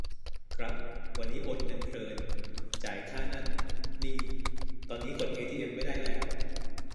ครับ วันนี้โอนเงินเพลิน จ่ายค่านั่นนี่ ตอนนี้กดเอทีเอ็มไม่ได้แล้ว